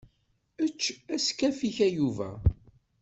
Ečč askaf-ik a Yuba.